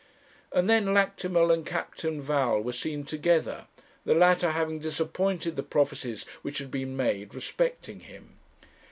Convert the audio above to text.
And then Lactimel and Captain Val were seen together, the latter having disappointed the prophecies which had been made respecting him.